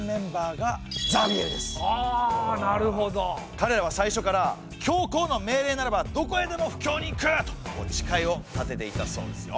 かれらは最初から「教皇の命令ならばどこへでも布教に行く！」と誓いを立てていたそうですよ。